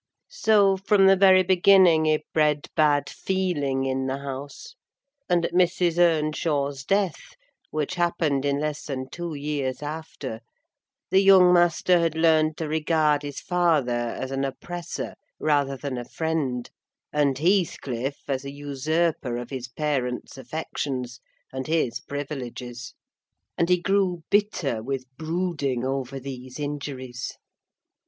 So, from the very beginning, he bred bad feeling in the house; and at Mrs. Earnshaw's death, which happened in less than two years after, the young master had learned to regard his father as an oppressor rather than a friend, and Heathcliff as a usurper of his parent's affections and his privileges; and he grew bitter with brooding over these injuries.